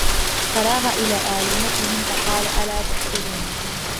فراغ إلى آلهتهم فقال ألا تأكلون